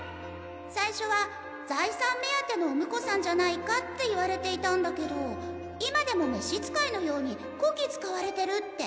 最初は財産目当てのお婿さんじゃないかって言われていたんだけど今でも召使いのようにこき使われてるって。